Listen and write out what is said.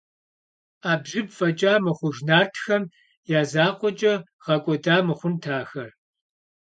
Ӏэбжьыб фӀэкӀа мыхъуж нартхэм я закъуэкӀэ гъэкӀуэда мыхъунт ахэр.